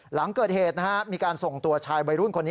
หลังเกิดเหตุมีการส่งตัวชายวัยรุ่นคนนี้